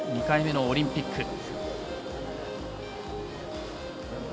２回目のオリンピック。